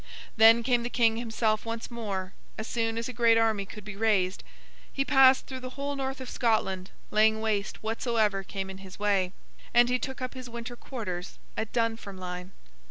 Then, came the King himself once more, as soon as a great army could be raised; he passed through the whole north of Scotland, laying waste whatsoever came in his way; and he took up his winter quarters at Dunfermline.